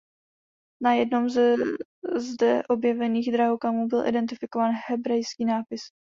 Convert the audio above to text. Na jednom ze zde objevených drahokamů byl identifikován hebrejský nápis.